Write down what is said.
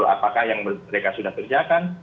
apakah yang mereka sudah kerjakan